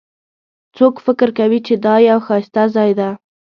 څوک فکر کوي چې دا یو ښایسته ځای ده